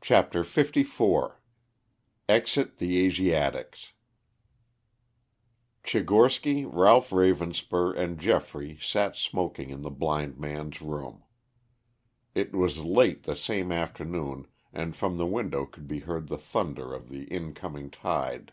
CHAPTER LIV EXIT THE ASIATICS Tchigorsky, Ralph Ravenspur, and Geoffrey sat smoking in the blind man's room. It was late the same afternoon and from the window could be heard the thunder of the incoming tide.